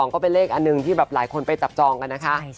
ก็เป็นเลขอันหนึ่งที่แบบหลายคนไปจับจองกันนะคะ